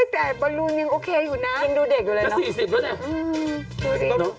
แต่บอลลูนยังโอเคอยู่นะยังดูเด็กอยู่เลยนะ๔๐แล้วเนี่ย